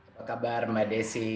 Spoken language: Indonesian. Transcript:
apa kabar mbak desi